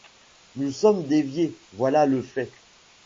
Nous sommes déviés, voilà le fait.